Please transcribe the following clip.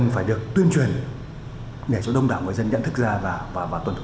phải được tuyên truyền để cho đông đảo người dân nhận thức ra và tuân thủ